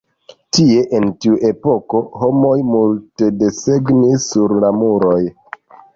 Tie, en tiu epoko, homoj multe desegnis sur la muroj.